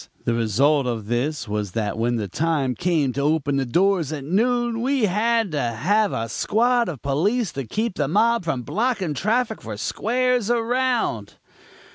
The result of this was that when the time came to open the doors at noon we had to have a squad of police to keep the mob from blocking traffic for squares around.